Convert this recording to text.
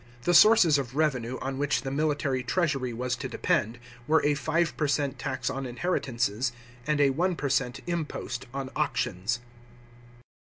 The sources of revenue on which the military treasury was to depend, were a five per cent, tax on inheritances, and a one per cent, impost on auctions.